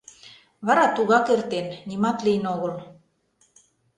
Вара тугак эртен, нимат лийын огыл.